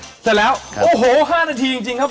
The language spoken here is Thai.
เสร็จแล้วโอ้โห๕นาทีจริงครับ